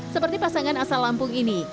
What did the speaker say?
seperti pasangan asal lampung ini